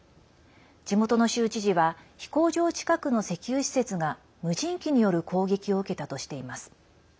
地元の州知事は飛行場近くの石油施設が無人機による攻撃を受けたとしています。